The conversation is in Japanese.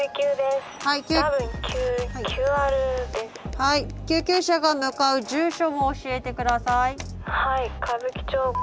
☎はい救急車が向かう住所も教えて下さい。